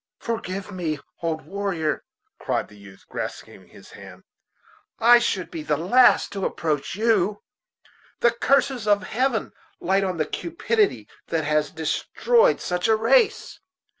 "Forgive me, old warrior," cried the youth, grasping his hand; "I should be the last to reproach you. The curses of Heaven light on the cupidity that has destroyed such a race.